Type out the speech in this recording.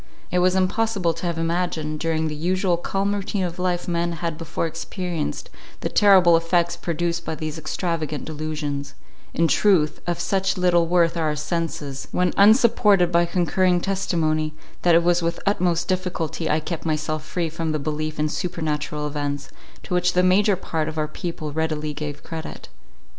It was impossible to have imagined, during the usual calm routine of life men had before experienced, the terrible effects produced by these extravagant delusions: in truth, of such little worth are our senses, when unsupported by concurring testimony, that it was with the utmost difficulty I kept myself free from the belief in supernatural events, to which the major part of our people readily gave credit.